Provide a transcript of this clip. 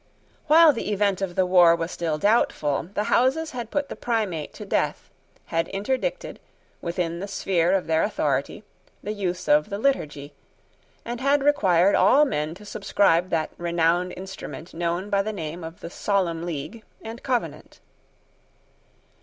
While the event of the war was still doubtful, the Houses had put the Primate to death, had interdicted, within the sphere of their authority, the use of the Liturgy, and had required all men to subscribe that renowned instrument known by the name of the Solemn League and Covenant.